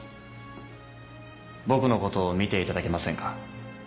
僕のことを見ていただけませんか？